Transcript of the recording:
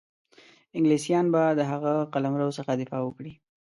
انګلیسیان به د هغه قلمرو څخه دفاع وکړي.